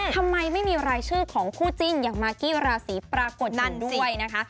ทำไมไม่มีรายชื่อของคู่จิ้นอย่างมากกี้ราศีปรากฏดันด้วยนะคะ